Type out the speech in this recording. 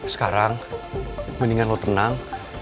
sekarang mendingan lo tenang